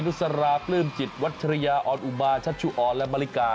ุสราปลื้มจิตวัชริยาออนอุมาชัชชุออนและมริกา